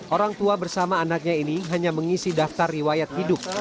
orang tua bersama anaknya ini hanya mengisi daftar riwayat hidup